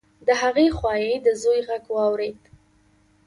د هغې خوا يې د زوی غږ واورېد.